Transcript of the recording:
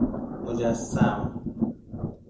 مجسم